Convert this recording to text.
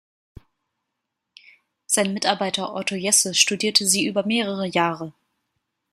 Sein Mitarbeiter Otto Jesse studierte sie über mehrere Jahre.